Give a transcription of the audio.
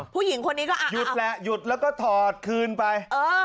ผู้หญิงคนนี้ทหารยุดแล้วก็ถอดคืนไป